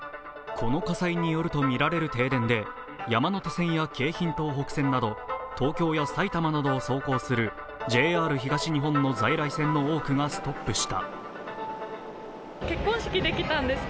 この火災によるとみられる停電で山手線や京浜東北線など東京や埼玉などを走行するＪＲ東日本の在来線の多くがストップした。